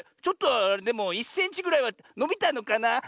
ちょっとはでも１センチぐらいはのびたのかな。